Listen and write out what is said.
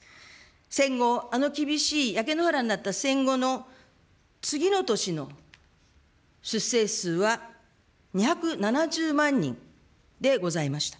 戦後、あの厳しい焼け野原になった戦後の次の年の出生数は、２７０万人でございました。